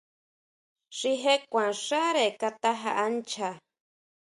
Xi je kuan xáre Kata jaʼa ncha.